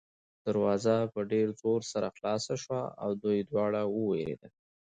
دروازه په ډېر زور سره خلاصه شوه او دوی دواړه ووېرېدل.